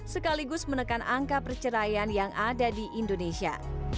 sekaligus menekan angka perceraian yang ada di indonesia